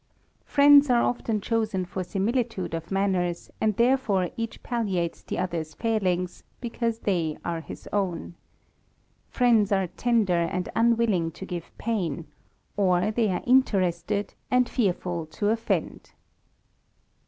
Friends are often chosen for similitude of nanners, and therefore each palliates the other's failings, Decause they are his own. Friends are tender, and unwilling :o give pain, or they are interested, and fearful to offend.